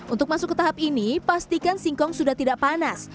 untuk masuk ke tahap ini pastikan singkong sudah tidak panas